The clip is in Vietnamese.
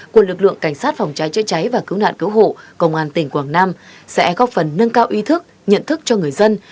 quân lực lượng cảnh sát phòng cháy chữa cháy và cứu nạn cứu hộ công an tỉnh quảng nam sẽ góp phần nâng cao ý thức nhận thức cho người dân